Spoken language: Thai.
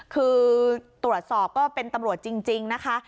คือตรวจสอบก็เป็นตำรวจจริงนะคะ